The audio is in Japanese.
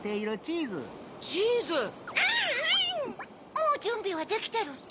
「もうじゅんびはできてる」って？